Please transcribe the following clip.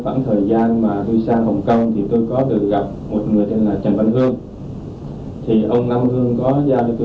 và tôi đã bị bắt sau khi tôi nhập cái số thuốc nổ đó